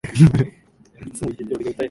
ムダな機能を省いて安くしました